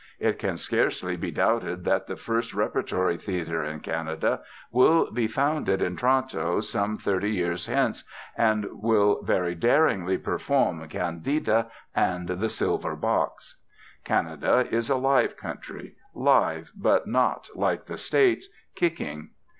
It can scarcely be doubted that the first Repertory Theatre in Canada will be founded in Toronto, some thirty years hence, and will very daringly perform Candida and The Silver Box. Canada is a live country, live, but not, like the States, kicking.